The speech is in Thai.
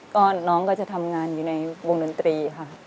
ก็น้องก็จะทำงานอยู่ในวงดนตรีค่ะ